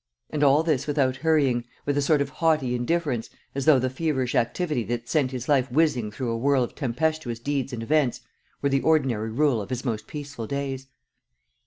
And all this without hurrying, with a sort of haughty indifference, as though the feverish activity that sent his life whizzing through a whirl of tempestuous deeds and events were the ordinary rule of his most peaceful days.